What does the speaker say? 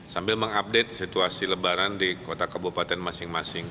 sambil mengupdate situasi lebaran di kota kebupaten masing masing